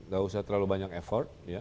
gak usah terlalu banyak effort ya